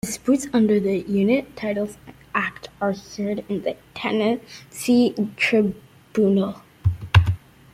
Disputes under the Unit Titles Act are heard in the Tenancy Tribunal.